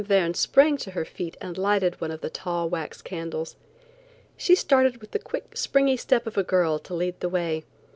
Verne sprang to her feet and lighted one of the tall wax candles. She started with the quick, springy step of a girl to lead the way.